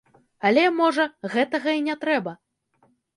Але, можа, гэтага і не трэба!